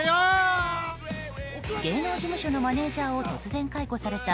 芸能事務所のマネジャーを突然解雇された